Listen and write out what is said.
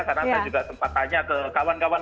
karena saya juga sempat tanya ke kawan kawan